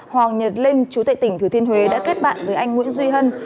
hoàng nhật linh chú tệ tỉnh thừa thiên huế đã kết bạn với anh nguyễn duy hân